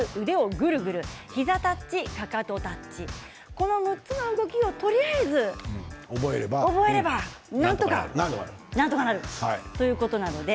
この６つの動きをとりあえず覚えればなんとかなるということなので。